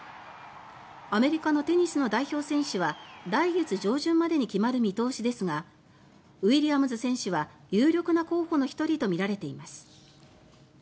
アメリカのテニスの代表選手は来月上旬までに決まる見通しですがウィリアムズ選手は有力な候補の１人とみられています。